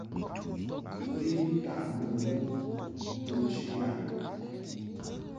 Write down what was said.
Ven taʼ mo wo nto nchiʼ ghaʼ.